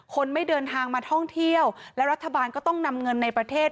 คนไม่เดินทางมาท่องเที่ยวและรัฐบาลก็ต้องนำเงินในประเทศ